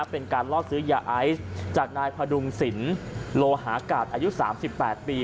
เป็นการลอกซื้อยาไอซ์จากนายพดุงศิลป์โลหากาศอายุ๓๘ปี